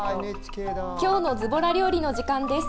「きょうのずぼら料理」の時間です。